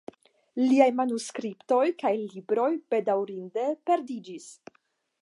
Liaj manuskriptoj kaj libroj bedaŭrinde perdiĝis.